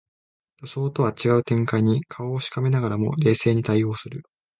予想とは違う展開に顔をしかめながらも冷静に対応する